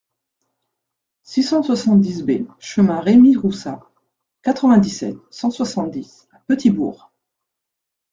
six cent soixante-dix B chemin Remy Roussas, quatre-vingt-dix-sept, cent soixante-dix à Petit-Bourg